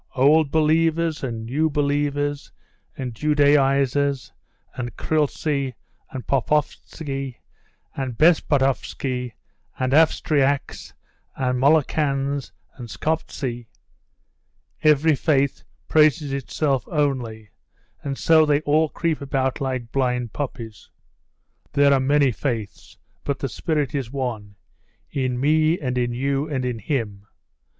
Old believers and new believers and Judaisers and Khlysty and Popovitzy, and Bespopovitzy and Avstriaks and Molokans and Skoptzy every faith praises itself only, and so they all creep about like blind puppies. There are many faiths, but the spirit is one in me and in you and in him.